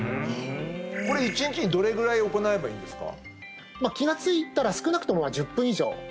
これ１日にどれぐらい行えばいいんですか？